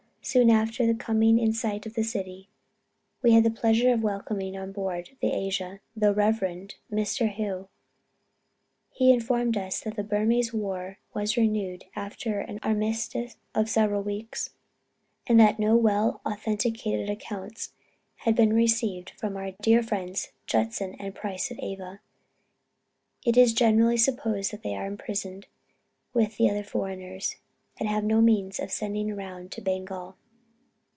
Soon after coming in sight of the city, we had the pleasure of welcoming on board the Asia, the Rev. Mr. Hough. He informed us, that the Burmese war was renewed after an armistice of several weeks, and that no well authenticated accounts had been received from our dear friends Judson and Price at Ava. It is generally supposed that they are imprisoned with other foreigners, and have not the means of sending round to Bengal.